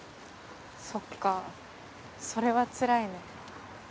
そっかそれはつらいね。